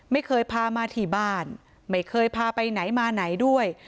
ไม่เคยพามาที่บ้านไม่เคยพาไปไหนมาไหนด้วย